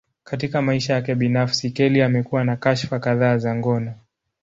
Katika maisha yake binafsi, Kelly amekuwa na kashfa kadhaa za ngono.